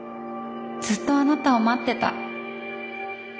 ずっとあなたを待ってた。